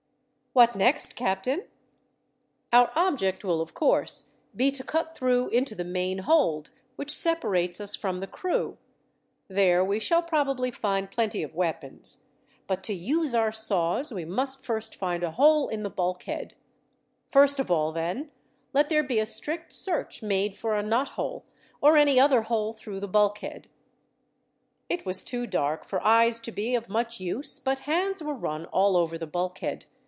"What next, captain?" "Our object will, of course, be to cut through into the main hold, which separates us from the crew. There we shall probably find plenty of weapons. But to use our saws, we must first find a hole in the bulkhead. First of all, then, let there be a strict search made for a knothole, or any other hole through the bulkhead." It was too dark for eyes to be of much use, but hands were run all over the bulkhead.